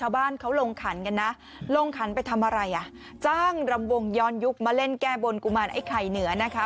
บ้านเขาลงขันกันนะลงขันไปทำอะไรอ่ะจ้างรำวงย้อนยุคมาเล่นแก้บนกุมารไอ้ไข่เหนือนะคะ